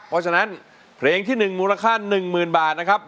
เพราะฉะนั้นเพลงที่หนึ่งมูลค่าหนึ่งหมื่นบาทนะครับ